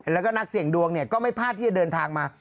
แล้วก็นักเสี่ยงดวงเนี่ยก็ไม่พลาดที่จะเดินทางมา